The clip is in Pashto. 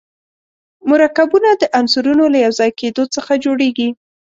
مرکبونه د عنصرونو له یو ځای کېدو څخه جوړیږي.